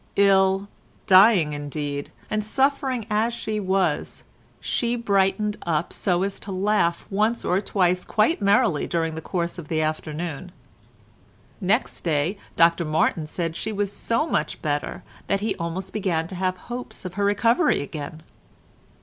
Ill, dying indeed, and suffering as she was, she brightened up so as to laugh once or twice quite merrily during the course of the afternoon. Next day Dr Martin said she was so much better that he almost began to have hopes of her recovery again.